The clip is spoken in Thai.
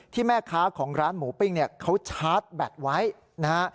แม่ค้าของร้านหมูปิ้งเนี่ยเขาชาร์จแบตไว้นะฮะ